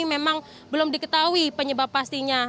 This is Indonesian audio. memang belum diketahui penyebab pastinya